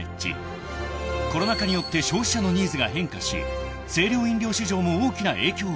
［コロナ禍によって消費者のニーズが変化し清涼飲料市場も大きな影響を受けた］